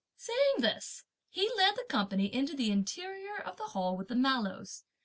Saying this, he led the company into the interior of the hall with the mallows.